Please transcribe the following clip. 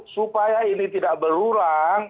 supaya ini tidak berulang